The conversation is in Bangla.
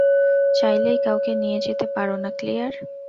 চাইলেই কাউকে নিয়ে নিতে পারো না, ক্লেয়ার।